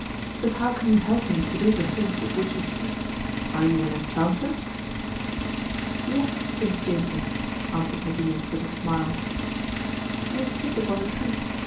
But how can you help me to do the things of which you speak? Are you an enchantress?" "Yes, Prince Jason," answered Medea, with a smile, "you have hit upon the truth.